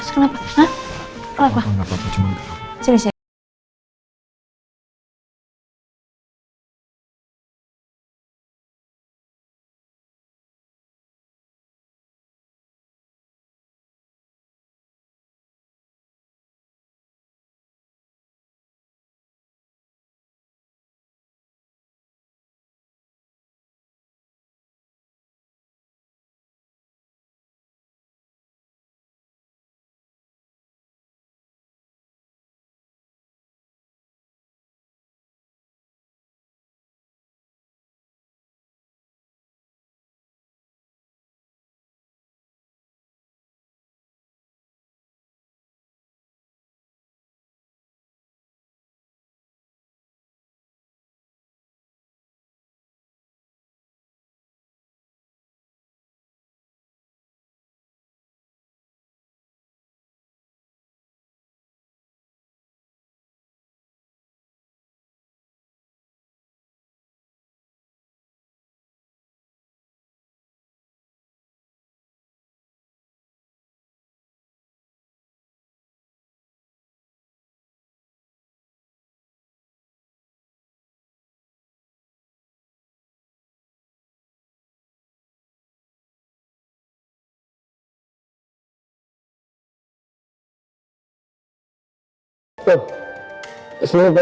kenapa mas kenapa